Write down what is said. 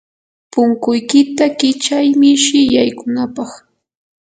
punkuykita kichay mishi yaykunapaq.